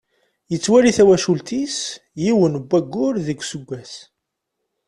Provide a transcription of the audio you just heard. Yettwali tawacult-is yiwen n wayyur deg useggas.